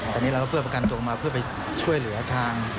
ตอนนี้เราก็เพื่อประกันตัวออกมาเพื่อไปช่วยเหลือทาง